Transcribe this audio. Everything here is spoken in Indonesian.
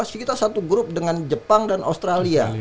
kapasitas kita satu grup dengan jepang dan australia